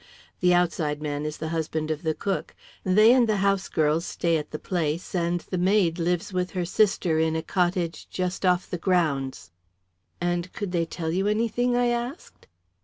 The outside man is the husband of the cook; they and the house girls stay at the place, and the maid lives with her sister in a cottage just off the grounds." "And could they tell you anything?" I asked.